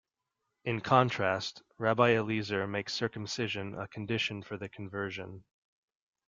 In contrast, R. Eliezer makes circumcision a condition for the conversion.